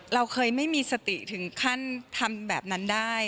เราเคยไม่มีสติถึงขั้นทำแบบนั้นได้